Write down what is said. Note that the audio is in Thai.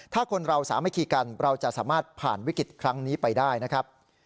ถ้าคนเราสามัคคีกันเราจะสามารถผ่านวิกฤตครั้งนี้ไปได้นะครับ